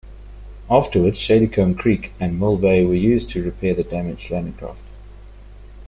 Afterwards Shadycombe Creek and Mill Bay were used to repair damaged landing craft.